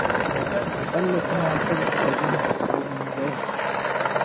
خپل لاسونه تل په صابون وینځئ.